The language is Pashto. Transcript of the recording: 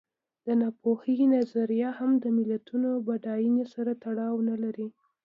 د ناپوهۍ نظریه هم د ملتونو بډاینې سره تړاو نه لري.